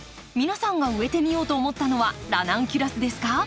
皆さんが植えてみようと思ったのはラナンキュラスですか？